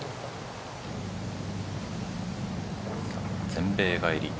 全米帰り。